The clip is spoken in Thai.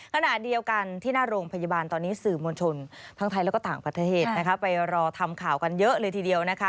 ขณะเดียวกันที่หน้าโรงพยาบาลตอนนี้สื่อมวลชนทั้งไทยและก็ต่างประเทศไปรอทำข่าวกันเยอะเลยทีเดียวนะคะ